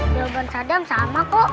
jawaban sadam sama kok